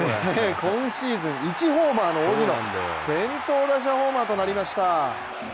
今シーズン１ホーマーの荻野、先頭打者ホーマーとなりました。